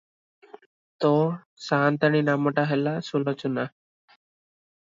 ତୋ’ ସା’ନ୍ତାଣୀ ନାମଟା ହେଲା, ସୁଲ-ଚୁନା!